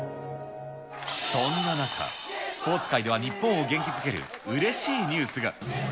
そんな中、スポーツ界では日本を元気づけるうれしいニュースが。